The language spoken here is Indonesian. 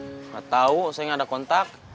gak tau saya gak ada kontak